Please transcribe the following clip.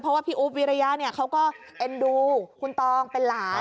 เพราะว่าพี่อุ๊บวิริยะเนี่ยเขาก็เอ็นดูคุณตองเป็นหลาน